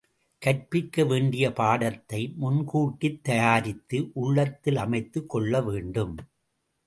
கற்பிக்க வேண்டிய பாடத்தை முன்கூட்டித் தயாரித்து உள்ளத்தில் அமைத்துக் கொள்ள வேண்டும்.